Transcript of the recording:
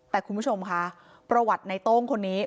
แต่คุณผู้ชมค่ะประวัติในโต้งคนนี้